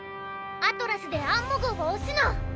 アトラスでアンモ号を押すの！